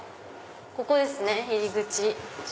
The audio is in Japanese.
ここですね入り口。